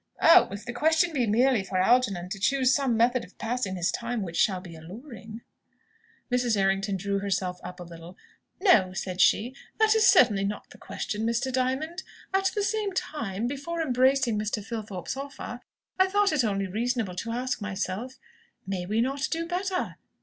"Oh, if the question be merely for Algernon to choose some method of passing his time which shall be alluring " Mrs. Errington drew herself up a little. "No;" said she, "that is certainly not the question, Mr. Diamond. At the same time, before embracing Mr. Filthorpe's offer, I thought it only reasonable to ask myself, 'May we not do better?